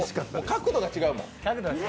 角度が違うもん。